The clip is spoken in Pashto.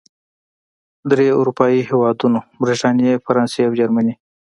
درې اروپايي هېوادونو، بریتانیا، فرانسې او جرمني